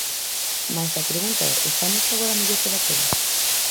Mais a pregunta é: estamos agora mellor que daquela?